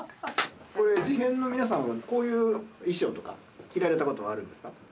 これ事変の皆さんはこういう衣装とか着られたことはあるんですか？